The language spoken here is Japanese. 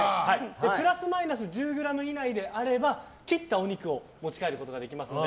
プラスマイナス１０ｇ以内なら切ったお肉を持ち帰ることができますので